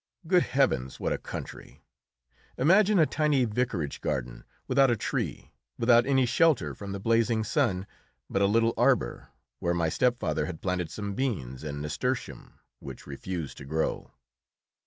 Good heavens, what a country! Imagine a tiny vicarage garden, without a tree, without any shelter from the blazing sun but a little arbour, where my stepfather had planted some beans and nasturtium, which refused to grow.